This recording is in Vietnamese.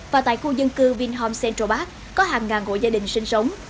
và tại khu dân cư vinhom central park có hàng ngàn hộ gia đình sinh sống